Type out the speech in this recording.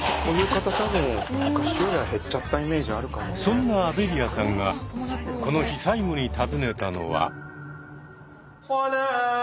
そんなアベリアさんがこの日最後に訪ねたのは。